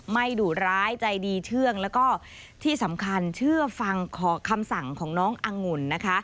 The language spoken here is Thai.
ดุร้ายใจดีเชื่องแล้วก็ที่สำคัญเชื่อฟังขอคำสั่งของน้องอังุ่นนะคะ